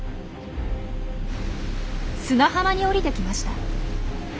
砂浜に降りてきました。